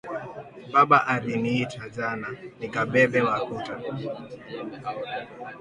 Baba ari nita jana nika bebe makuta